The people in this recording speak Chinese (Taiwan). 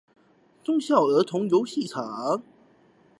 忠孝兒童遊樂場